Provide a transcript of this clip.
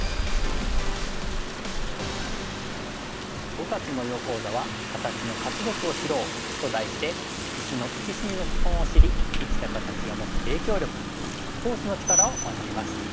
５月の囲碁講座は「形の活力を知ろう」と題して石の生き死にの基本を知り生きた形が持つ影響力フォースの力を学びます。